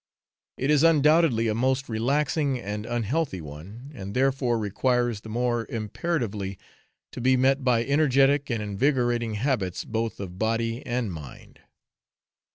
It is undoubtedly a most relaxing and unhealthy one, and therefore requires the more imperatively to be met by energetic and invigorating habits both of body and mind.